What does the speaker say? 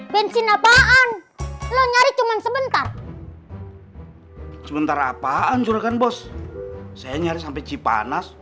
bensin apaan lo nyari cuman sebentar sebentar apa hancurkan bos saya nyari sampai cipanas